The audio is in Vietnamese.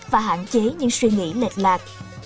và hạn chế những suy nghĩ lệch lạc